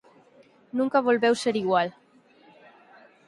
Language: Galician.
Nunca volveu ser igual.